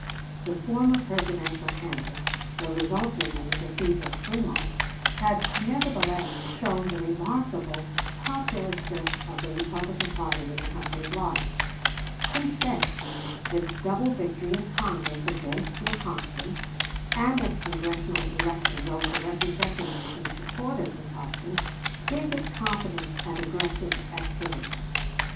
The former Presidential canvass, though resulting in the defeat of Frémont, had nevertheless shown the remarkable popular strength of the Republican party in the country at large; since then, its double victory in Congress against Lecompton, and at the Congressional elections over the Representatives who supported Lecompton, gave it confidence and aggressive activity.